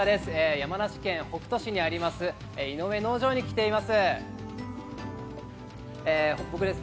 山梨県北杜市にあります井上農場に来ています。